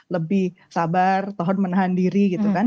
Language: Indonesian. lebih sabar tahan menahan diri gitu kan